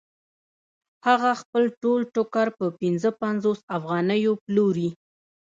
هغه خپل ټول ټوکر په پنځه پنځوس افغانیو پلوري